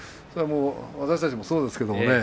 私たちもそうですけれどもね